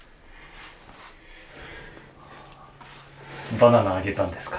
バナナあげたんですか？